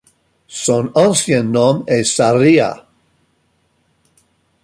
Son ancien nom est Saria.